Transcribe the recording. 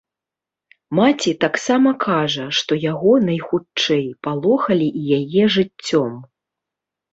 Маці таксама кажа, што яго, найхутчэй, палохалі і яе жыццём.